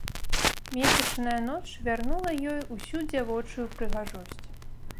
Месячная ноч вярнула ёй усю дзявочую прыгажосць.